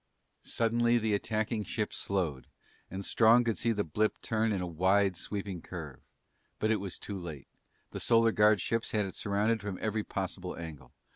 Suddenly the attacking ship slowed and Strong could see the blip turn in a wide sweeping curve. But it was too late. The Solar Guard ships had it surrounded from every possible angle.